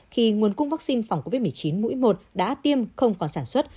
khi nguồn cung vaccine phòng covid một mươi chín mũi một đã tiêm không còn sản xuất